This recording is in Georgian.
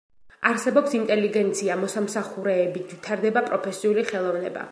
არსებობს ინტელიგენცია, მოსამსახურეები, ვითარდება პროფესიული ხელოვნება.